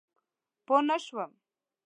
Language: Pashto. پوه نه شوم؟